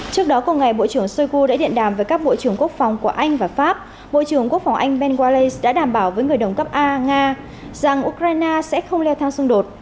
trước đó cùng ngày bộ trưởng shoigu đã điện đàm với các bộ trưởng quốc phòng của anh và pháp bộ trưởng quốc phòng anh benwaley đã đảm bảo với người đồng cấp a nga rằng ukraine sẽ không leo thang xung đột